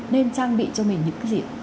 nên trang bị cho mình những gì